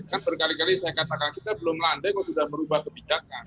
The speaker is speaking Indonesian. kan berkali kali saya katakan kita belum landai kok sudah merubah kebijakan